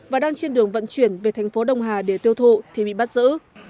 và đang trên đường vận chuyển về thành phố đông hà để tiêu thụ thì bị bắt giữ